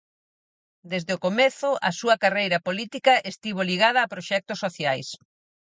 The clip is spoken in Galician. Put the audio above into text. Desde o comezo a súa carreira política estivo ligada a proxectos sociais.